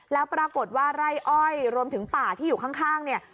แล้วปรากฏว่าไร่อ้อยรวมถึงป่าที่อยู่ข้างเนี่ย